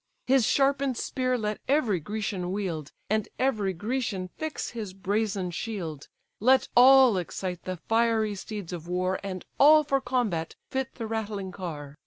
His sharpen'd spear let every Grecian wield, And every Grecian fix his brazen shield, Let all excite the fiery steeds of war, And all for combat fit the rattling car.